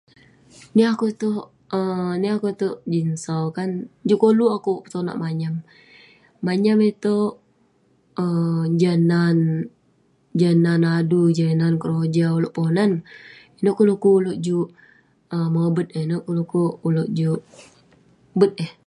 Niah akouk itouk um niah akouk itouk jin sau kan, juk koluk akouk petonak manyam. Manyam itouk um jan nan- jah nan adui jah nan keroja ulouk Ponan. Inouk kek dekuk ulouk juk um mobet eh, inouk kek dekuk ulouk juk bet eh.